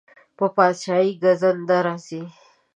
په پادشاهۍ ګزند راځي.